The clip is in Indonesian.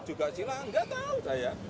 juga silah nggak tahu saya